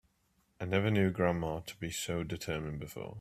I never knew grandma to be so determined before.